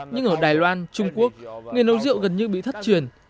nhưng ở đài loan trung quốc nghề nấu rượu gần như bị thất truyền